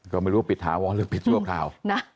ก็ไม่รู้ปิดถาวรหรือปิดชั่วคราวนะ